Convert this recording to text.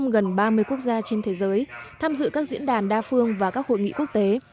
trương tấn sang tới thăm gần ba mươi quốc gia trên thế giới tham dự các diễn đàn đa phương và các hội nghị quốc tế